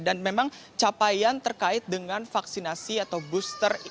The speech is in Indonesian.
dan memang capaian terkait dengan vaksinasi atau booster